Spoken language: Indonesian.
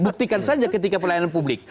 buktikan saja ketika pelayanan publik